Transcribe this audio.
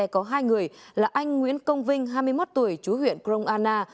có hai người là anh nguyễn công vinh hai mươi một tuổi chú huyện krong anna